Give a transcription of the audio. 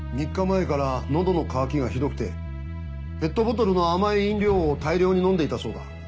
３日前から喉の渇きがひどくてペットボトルの甘い飲料を大量に飲んでいたそうだ。